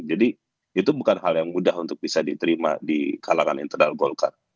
jadi itu bukan hal yang mudah untuk bisa diterima di kalangan internal gokar